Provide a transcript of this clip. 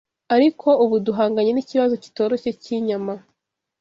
Ariko ubu duhanganye n’ikibazo kitoroshye cy’inyama.